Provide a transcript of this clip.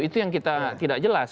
itu yang kita tidak jelas